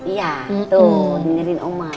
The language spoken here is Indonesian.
iya tuh dengerin oma